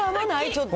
ちょっと。